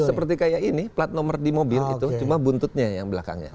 seperti kayak ini plat nomor di mobil itu cuma buntutnya yang belakangnya